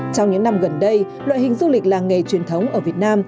trong những năm gần đây loại hình du lịch làng nghề truyền thống ở việt nam